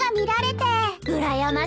うらやましいなあ。